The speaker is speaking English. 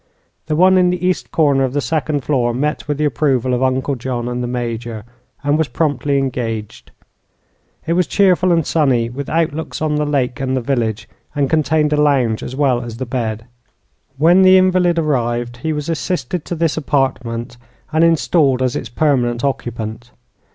The one in the east corner of the second floor met with the approval of Uncle John and the Major, and was promptly engaged. It was cheerful and sunny, with outlooks on the lake and the village, and contained a lounge as well as the bed. When the invalid arrived, he was assisted to this apartment and installed as its permanent occupant.